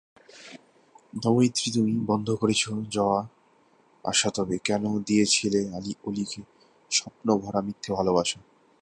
দময়িত্রী তুমি, বন্ধ করেছ যাওয়া-আসাতবে কেন দিয়েছিলেঅলীক স্বপ্নে ভরা মিথ্যে ভালোবাসা।